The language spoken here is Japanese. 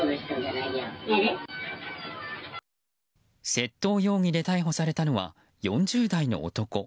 窃盗容疑で逮捕されたのは４０代の男。